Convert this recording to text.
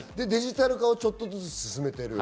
デジタル化をちょっとずつ進めている。